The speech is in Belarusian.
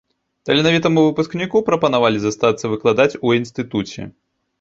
Таленавітаму выпускніку прапанавалі застацца выкладаць у інстытуце.